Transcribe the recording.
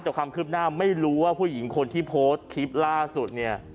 แต่ความคืบหน้าไม่รู้ว่าผู้หญิงคนที่โพสต์คลิปล่าสุดเนี่ย